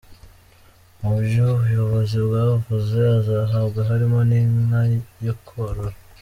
Mu byo ubuyobozi bwavuze azahabwa harimo n’inka yo korora.